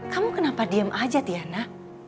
kamu kenapa diem aja tiana